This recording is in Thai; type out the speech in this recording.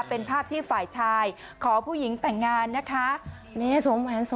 เป็นภาพที่ฝ่ายชายขอผู้หญิงแต่งงานนะคะ